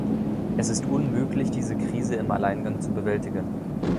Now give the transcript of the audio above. Es ist unmöglich, diese Krise im Alleingang zu bewältigen.